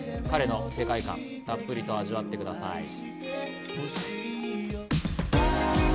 彼の世界観をたっぷりとご覧になってください。